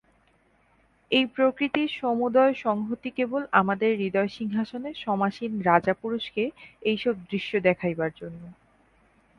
এই প্রকৃতির সমুদয় সংহতি কেবল আমাদের হৃদয়সিংহাসনে সমাসীন রাজা পুরুষকে এইসব দৃশ্য দেখাইবার জন্য।